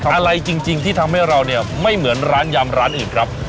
อะไรจริงที่ทำให้เราเนี่ยไม่เหมือนร้านยำร้านอื่นครับ